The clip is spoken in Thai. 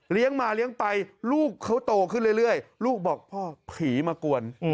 มาเลี้ยงไปลูกเขาโตขึ้นเรื่อยลูกบอกพ่อผีมากวน